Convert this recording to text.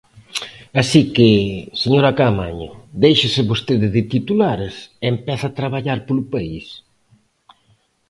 Así que, señora Caamaño, déixese vostede de titulares e empece a traballar polo país.